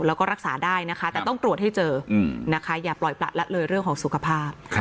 แล้วก็รักษาได้นะคะแต่ต้องตรวจให้เจอนะคะอย่าปล่อยประละเลยเรื่องของสุขภาพ